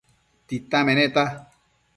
Tita meneta